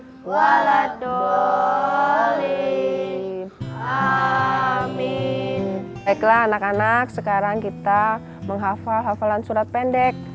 waalaikumsalam anak anak sekarang kita menghafal hafalan surat pendek